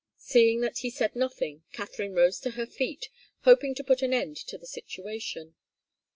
Seeing that he said nothing, Katharine rose to her feet, hoping to put an end to the situation.